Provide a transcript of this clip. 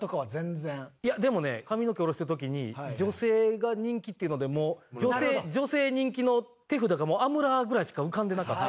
いやでもね髪の毛下ろした時に女性が人気っていうのでもう女性に人気の手札がもうアムラーぐらいしか浮かんでなかった。